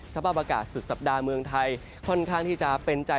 สภาพอากาศสุดสัปดาห์เมืองไทยค่อนข้างที่จะเป็นใจ